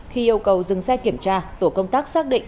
khi yêu cầu dừng xe kiểm tra tổ công tác xác định